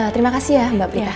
terima kasih ya mbak prita